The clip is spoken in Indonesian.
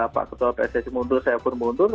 pak ketua pssi mundur saya pun mundur